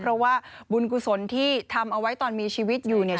เพราะว่าบุญกุศลที่ทำเอาไว้ตอนมีชีวิตอยู่เนี่ย